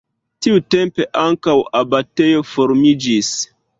Tiutempe ankaŭ abatejo formiĝis.